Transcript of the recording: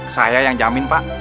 saya yang jamin pak